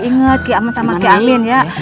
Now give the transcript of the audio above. ingat kiamat sama kiamin ya